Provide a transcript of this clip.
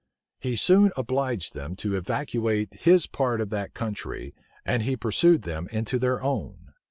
He soon obliged them to evacuate his part of that country, and he pursued them into their own.